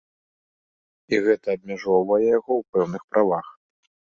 І гэта абмяжоўвае яго ў пэўных правах.